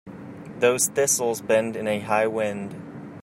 Those thistles bend in a high wind.